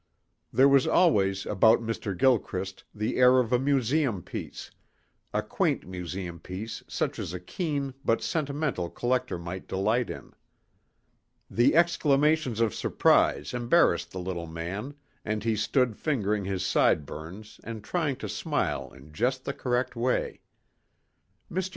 There was always about Mr. Gilchrist the air of a museum piece a quaint museum piece such as a keen but sentimental collector might delight in. The exclamations of surprise embarrassed the little man and he stood fingering his sideburns and trying to smile in just the correct way. Mr.